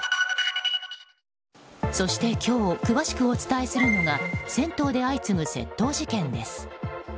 そして今日詳しくお伝えするのが銭湯で相次ぐ窃盗事件です。